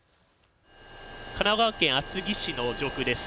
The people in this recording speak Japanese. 神奈川県厚木市の上空です。